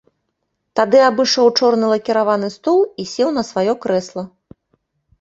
Тады абышоў чорны лакіраваны стол і сеў на сваё крэсла.